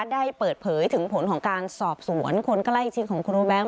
ได้เปิดเผยถึงผลของการสอบสวนคนใกล้ชิดของครูแบงค